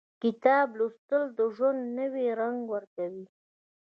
• کتاب لوستل، د ژوند نوی رنګ ورکوي.